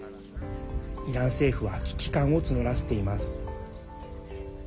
イラン政府は危機感を募らせています。